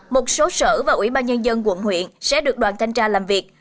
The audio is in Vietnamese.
một số sở và ủy ban nhân dân quận huyện sẽ được đoàn thanh tra làm việc